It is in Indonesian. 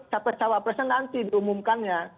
capres cawapresnya nanti diumumkannya